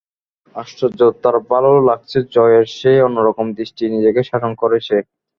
আশ্চর্য, তাঁর ভালো লাগছে জয়ের সেই অন্যরকম দৃষ্টি, নিজেকে শাসন করে সে।